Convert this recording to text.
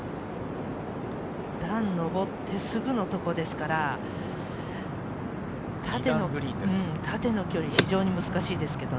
段を上ってすぐのところですから、縦の距離が非常に難しいです。